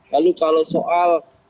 lalu kalau soal